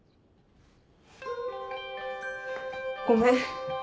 ごめん。